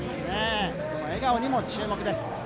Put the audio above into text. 笑顔にも注目です。